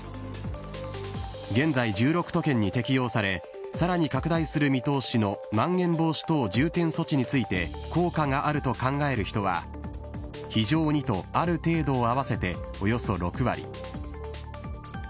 現在１６都県に適用され、さらに拡大する見通しのまん延防止等重点措置について、効果があると考える人は、非常にと、ある程度を合わせておよそ６割。